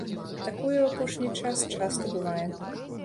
Такое ў апошні час часта бывае.